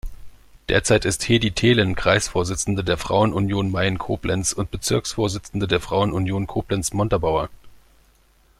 Derzeit ist Hedi Thelen Kreisvorsitzende der Frauen-Union Mayen-Koblenz und Bezirksvorsitzende der Frauen-Union Koblenz-Montabaur.